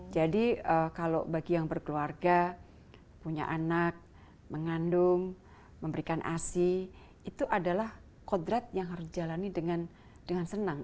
jadi kalau bagi yang berkeluarga punya anak mengandung memberikan asyik itu adalah kodrat yang harus dijalani dengan senang